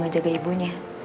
gue ngejaga ibunya